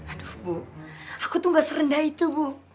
aduh bu aku tuh gak serendah itu bu